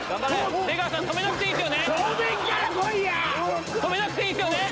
出川さん止めなくていいんすよね？